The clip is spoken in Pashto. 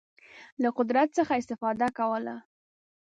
له قدرت څخه استفاده کوله.